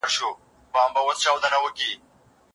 څنګه کولای سو چي په ټولنه کې سوله راولو؟